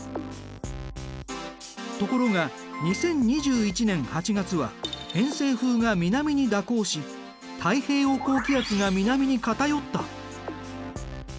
ところが２０２１年８月は偏西風が南に蛇行し太平洋高気圧が南にかたよった。